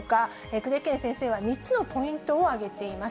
久手堅先生は３つのポイントを挙げています。